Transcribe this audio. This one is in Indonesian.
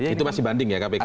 itu masih banding ya kpk